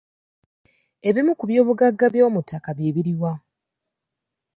Ebimu ku byobugagga eby'omuttaka bye biri wa?